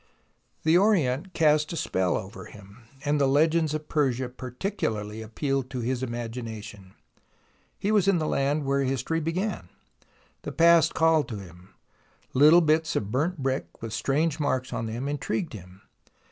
The Orient cast a spell over him, and the legends of Persia particularly appealed to his imagination. He was in the land where history began. The past called to him. Little bits of burnt brick with strange marks on them intrigued him.